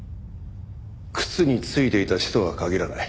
靴に付いていた血とは限らない。